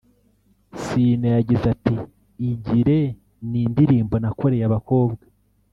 Ciney yagize ati “Igire ni indirimbo nakoreye abakobwa